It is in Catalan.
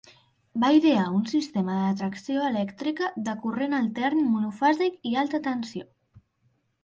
Va idear un sistema de tracció elèctrica de corrent altern monofàsic i alta tensió.